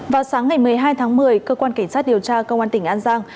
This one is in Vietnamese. vào sáng ngày một mươi hai tháng một mươi cơ quan cảnh sát điều tra công an tỉnh an giang